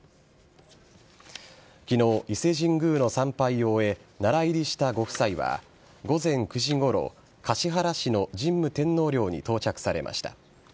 昨日、伊勢神宮の参拝を終え奈良入りしたご夫妻は午前９時ごろ橿原市の神武天皇陵に到着されました。